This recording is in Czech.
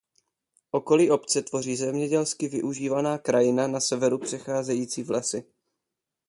Okolí obce tvoří zemědělsky využívaná krajina na severu přecházející v lesy.